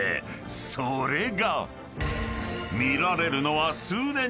［それが］